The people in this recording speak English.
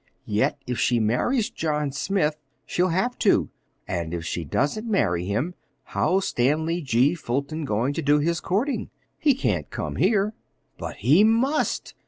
"Yet if she marries John Smith she'll have to—and if she doesn't marry him, how's Stanley G. Fulton going to do his courting? He can't come here." "But he must!"